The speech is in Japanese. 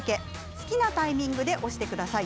好きなタイミングで押してください。